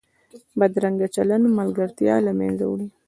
بدرنګه چلند ملګرتیا له منځه وړي